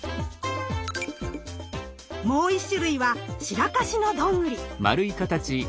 もう１種類はシラカシのどんぐり。